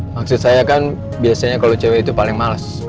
maksud saya kan biasanya kalau cewek itu paling males